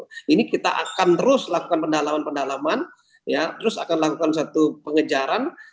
jadi kita akan terus lakukan pendalaman pendalaman ya terus akan lakukan suatu pengejaran